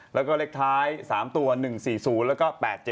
แล้วก็เลขท้าย๓ตัว๑๔๐แล้วก็๘๗